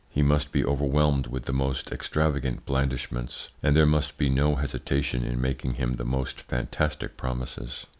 He must be overwhelmed with the most extravagant blandishments, and there must be no hesitation in making him the most fantastic promises.